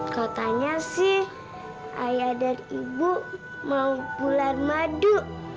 katanya sih ayah dan ibu mau bulan madu